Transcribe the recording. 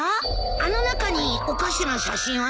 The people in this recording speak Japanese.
あの中におかしな写真はなかったか？